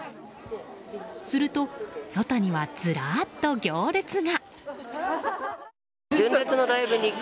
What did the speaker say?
すると、外にはずらっと行列が。